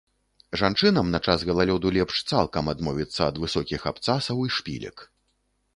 Жанчынам на час галалёду лепш цалкам адмовіцца ад высокіх абцасаў і шпілек.